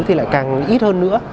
thì lại càng ít hơn nữa